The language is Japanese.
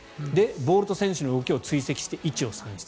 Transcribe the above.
ボールと選手の動きを追跡して位置を算出。